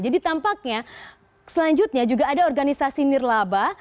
jadi tampaknya selanjutnya juga ada organisasi nirlaba